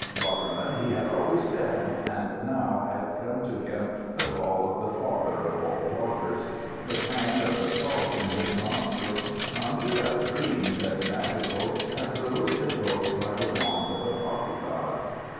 Waterman he had always been, and now had come to him the call of the Father of All Waters. The tang of the salt in his nostrils conjured up dreams as magical as those invoked by the wand of the poppy god.